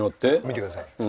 見てください。